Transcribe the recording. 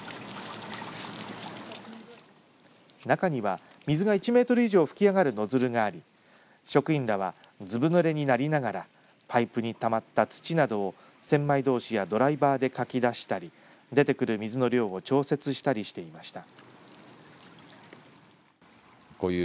中には、水が１メートル以上噴き上がるノズルがあり職員らはずぶぬれになりながらパイプにたまった土などを千枚通しやドライバーでかき出したり出てくる水の量を調節したりしていました。